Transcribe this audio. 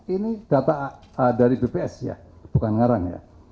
ini data dari bps ya bukan ngarang ya